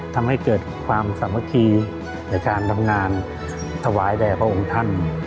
ทำให้เกิดความสามัคคีในการทำงานถวายแด่พระองค์ท่าน